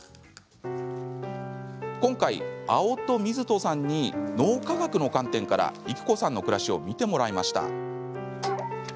今回、青砥瑞人さんに脳科学の観点から育子さんの暮らしを見ていただきました。